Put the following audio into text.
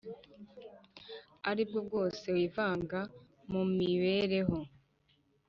Ari bwo bwose wivanga mu mibereho